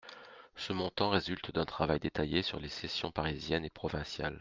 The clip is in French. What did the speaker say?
Ce montant résulte d’un travail détaillé sur les cessions parisiennes et provinciales.